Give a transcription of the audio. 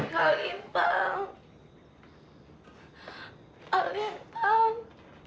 kak lintang kak lintang